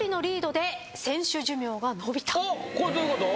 おっこれどういうこと？